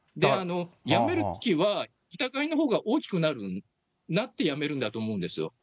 やめるときは疑いのほうが大きくなる、大きくなってやめると思うんですよ。